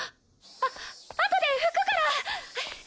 ああとで拭くから！